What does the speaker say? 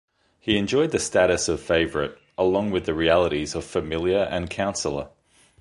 He enjoyed the status of favorite, along with the realities of familiar and counsellor.